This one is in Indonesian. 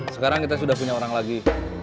sekarang kita sudah punya orang lagi